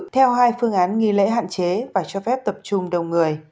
theo hai phương án nghi lễ hạn chế và cho phép tập trung đầu người